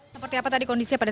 seperti apa tadi kondisinya